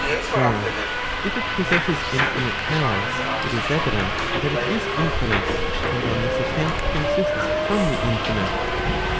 For if it possesses infinite power, it is evident that it is infinite, and on this account consists from the infinite.